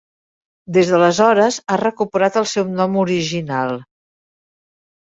Des d'aleshores, ha recuperar el seu nom original.